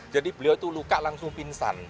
jadi beliau itu luka langsung pinsan